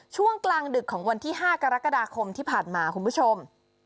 ช่วงกลางดึกของวันที่๕กรกฎาคมที่ผ่านมาคุณผู้ชม